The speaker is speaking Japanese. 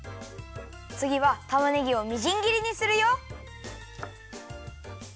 つぎはたまねぎをみじんぎりにするよ！